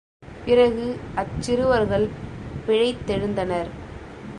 பிறகு அச் சிறுவர்கள் பிழைத்தெழுந்தனர்.